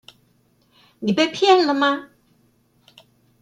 你被騙了嗎？